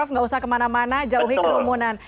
tidak usah kemana mana jauhi kerumunan